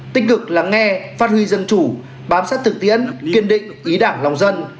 tích cực lắng nghe phát huy dân chủ bám sát thực tiễn kiên định ý đảng lòng dân